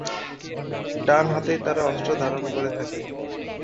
ডান হাতেই তারা অস্ত্র ধারণ করে থাকে।